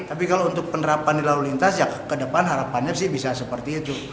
tapi kalau untuk penerapan di lalu lintas ya ke depan harapannya sih bisa seperti itu